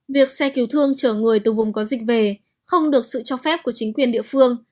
việc xe cứu thương chở người từ vùng có dịch về không được sự cho phép của chính quyền địa phương